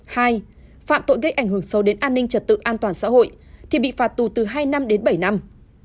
hai phạm tội gây ảnh hưởng sâu đến an ninh trật tự an toàn xã hội thì bị phạt tù từ hai năm đến bảy năm